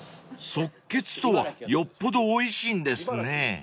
［即決とはよっぽどおいしいんですね］